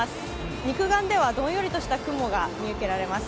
肉眼ではどんよりとした雲が見受けられます。